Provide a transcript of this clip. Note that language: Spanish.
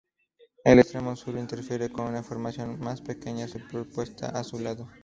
El extremo sur interfiere con una formación más pequeña superpuesta a su lado.